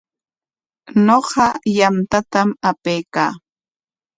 Ñuqa yantatam apaykaa.